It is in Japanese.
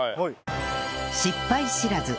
失敗知らず！